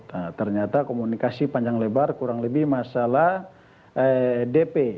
nah ternyata komunikasi panjang lebar kurang lebih masalah dp